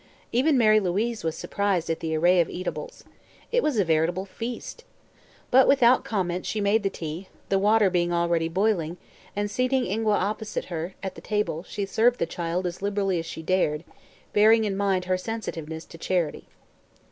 Even Mary Louise was surprised at the array of eatables. It was a veritable feast. But without comment she made the tea, the water being already boiling, and seating Ingua opposite her at the table she served the child as liberally as she dared, bearing in mind her sensitiveness to "charity."